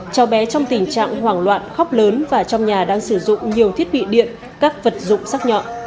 cháu bé trong tình trạng hoảng loạn khóc lớn và trong nhà đang sử dụng nhiều thiết bị điện các vật dụng sắc nhọn